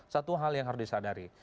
satu hal yang harus disadari